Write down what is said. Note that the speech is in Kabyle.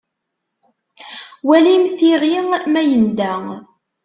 Walimt iɣi ma yenda.